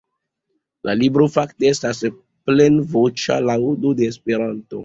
La libro fakte estas plenvoĉa laŭdo de Esperanto.